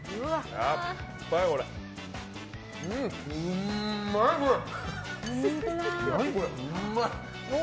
うまい、これ！